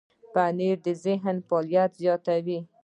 پنېر د ذهن فعالیت زیاتوي.